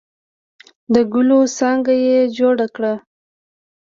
د ګلو څانګه یې جوړه کړه.